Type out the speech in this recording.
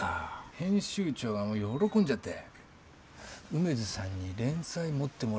編集長がもう喜んじゃって梅津さんに連載持ってもらおうって言いだしたのよ。